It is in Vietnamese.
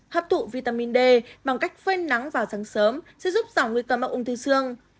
hấp tụ vitamin d bằng cách phơi nắng vào sáng sớm sẽ giúp giảm nguy cơ mắc ung thư xương